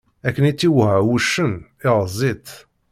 Akken i tt-iwɛa wuccen, iɣeẓẓ-itt.